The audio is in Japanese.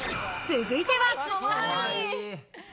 続いては。